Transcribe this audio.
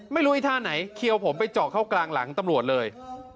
ไอ้ท่าไหนเคี้ยวผมไปเจาะเข้ากลางหลังตำรวจเลย